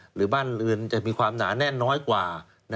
หรือบ้านเรือนจะมีความหนาแน่นน้อยกว่า